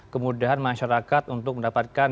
kemudahan masyarakat untuk mendapatkan